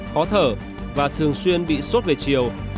khó thở và thường xuyên bị sốt về chiều